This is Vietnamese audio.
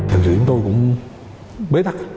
hình sự chúng tôi cũng bế tắc